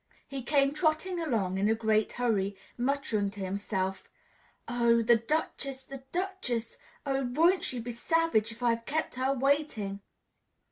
He came trotting along in a great hurry, muttering to himself, "Oh! the Duchess, the Duchess! Oh! won't she be savage if I've kept her waiting!"